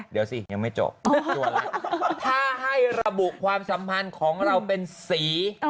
เดี๋ยวสิยังไม่จบถ้าให้ระบุความสัมพันธ์ของเราเป็นสี